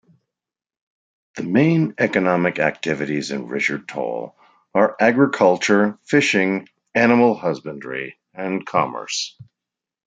The main economic activities in Richard Toll are agriculture, fishing, animal husbandry, and commerce.